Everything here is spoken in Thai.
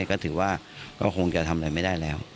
ก็ถือว่าก็คงจะทำอะไรไม่ได้แล้ว